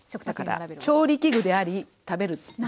だから調理器具であり食べる器。